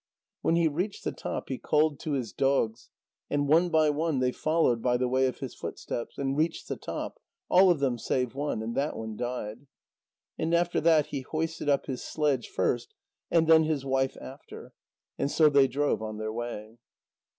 When he reached the top, he called to his dogs, and one by one they followed by the way of his footsteps, and reached the top, all of them save one, and that one died. And after that he hoisted up his sledge first, and then his wife after, and so they drove on their way.